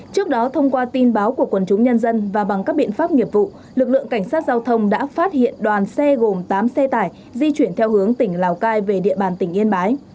trước đó thông qua tin báo của quần chúng nhân dân và bằng các biện pháp nghiệp vụ lực lượng cảnh sát giao thông đã phát hiện đoàn xe gồm tám xe tải di chuyển theo hướng tỉnh lào cai về địa bàn tỉnh yên bái